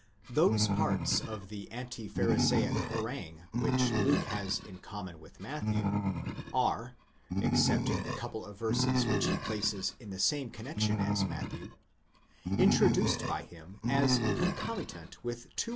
Those parts of the anti pharisaic harangue which Luke: has in common with Matthew, are, excepting the couple of verses which he places in the same connexion as Matthew, introduced by him as concomitant with 28 Comp.